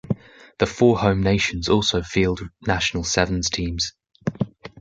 The four home nations also field national sevens teams.